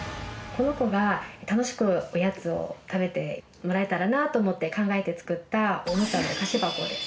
この子が楽しくおやつを食べてもらえたらなと思って考えて作った。